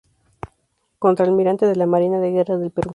Contralmirante de la Marina de Guerra del Perú.